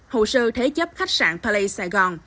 hồ sơ thế chấp khách sạn palais saigon